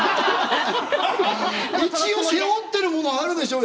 一応背負ってるものあるでしょう？